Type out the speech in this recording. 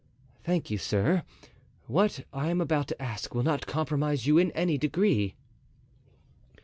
"Thank you, sir; what I am about to ask will not compromise you in any degree."